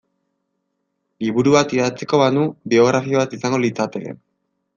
Liburu bat idatziko banu biografia bat izango litzateke.